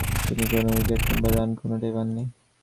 তিনি কোন উইকেট কিংবা রান কোনটাই পাননি।